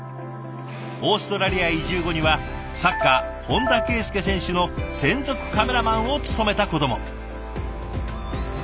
オーストラリア移住後にはサッカー本田圭佑選手の専属カメラマンを務めたことも。